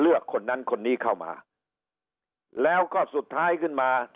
คนนั้นคนนี้เข้ามาแล้วก็สุดท้ายขึ้นมา